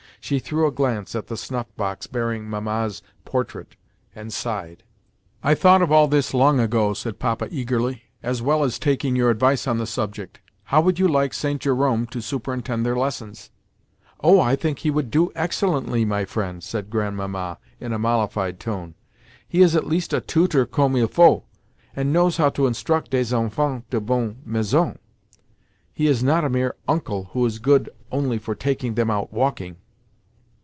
She threw a glance at the snuff box bearing Mamma's portrait and sighed. "I thought of all this long ago," said Papa eagerly, "as well as taking your advice on the subject. How would you like St. Jerome to superintend their lessons?" "Oh, I think he would do excellently, my friend," said Grandmamma in a mollified tone, "He is at least a tutor comme il faut, and knows how to instruct des enfants de bonne maison. He is not a mere 'Uncle' who is good only for taking them out walking."